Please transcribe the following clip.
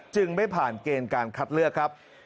ไม่ผ่านเกณฑ์การคัดเลือกครับ